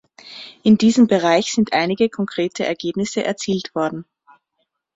In diesem Bereich sind einige konkrete Ergebnisse erzielt worden.